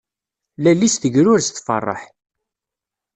Lal-is tegrurez tferreḥ.